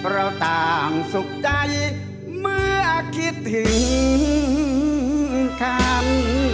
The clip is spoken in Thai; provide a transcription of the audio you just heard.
เราต่างสุขใจเมื่อคิดถึงคำ